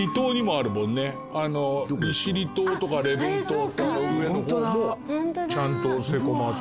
利尻島とか礼文島とか上の方もちゃんとセイコーマート。